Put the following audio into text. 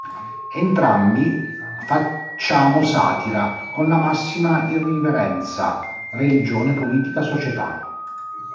Entrambi facciamo satira con la massima irriverenza: religione, politica, società.